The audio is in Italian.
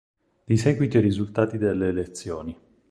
Di seguito i risultati delle elezioni.